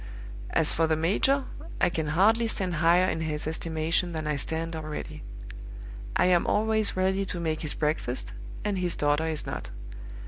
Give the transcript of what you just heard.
"As for the major, I can hardly stand higher in his estimation than I stand already. I am always ready to make his breakfast, and his daughter is not.